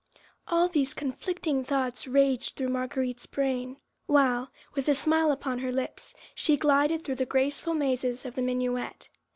All these conflicting thoughts raged through Marguerite's brain, while, with a smile upon her lips, she glided through the graceful mazes of the minuet.